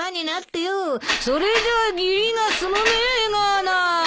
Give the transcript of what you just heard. それじゃあ義理が済むめえがな！